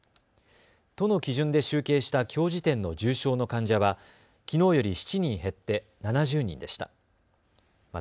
都の基準で集計したきょう時点の重症の患者はきのうより７人減って７０人でした。